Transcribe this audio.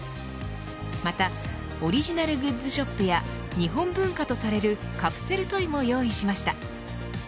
またオリジナルグッズショップや日本文化とされるカプセルトイも用意しました。